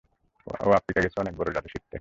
ও Africa গেছে অনেক বড় যাদু শিখতে।